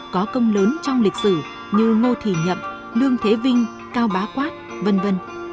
có công lớn trong lịch sử như ngô thị nhậm lương thế vinh cao bá quát v v